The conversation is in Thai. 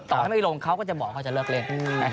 ต่อถ้าไม่ลงเขาก็จะบอกเขาจะเลิกเล่นนะครับ